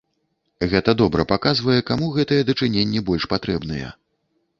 Гэта добра паказвае, каму гэтыя дачыненні больш патрэбныя.